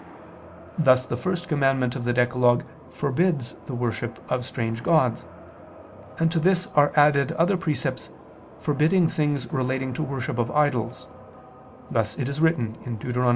Thus the first commandment of the decalogue forbids the worship of strange gods: and to this are added other precepts forbidding things relating to worship of idols: thus it is written (Deut.